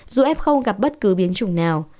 dù f gặp bất cứ biến chủng nào